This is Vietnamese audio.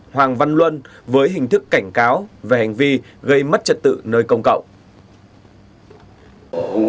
hoàng văn luân với hình thức cảnh cáo về hành vi gây mất trật tự nơi công cộng